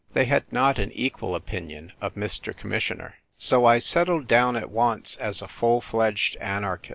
They had not an equal opinion of Mr. Commissioner. So I settled down at once as a full fledged anarchist.